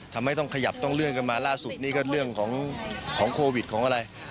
ทำให้ต้องขยับต้องเลื่อนกันมาล่าสุดนี่ก็เรื่องของโควิดของอะไร